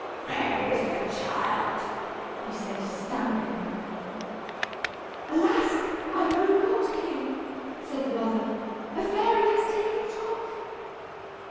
"Where is the child?" he said, stamping. "Alas, I know not, king," said the mother. "A fairy has taken it off."